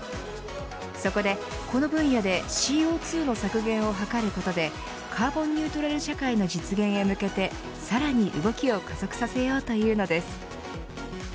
そこで、この分野でＣＯ２の削減を図ることでカーボンニュートラル社会の実現へ向けてさらに動きを加速させようというのです。